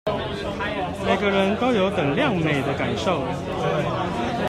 每個人都有等量美的感受